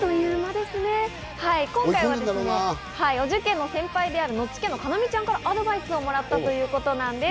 今回、お受験の先輩であるノッチ家の叶望ちゃんからアドバイスをもらったということなんです。